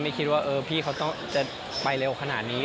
ไม่คิดว่าพี่เขาจะไปเร็วขนาดนี้